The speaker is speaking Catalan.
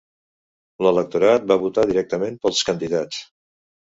L'electorat va votar directament pels candidats.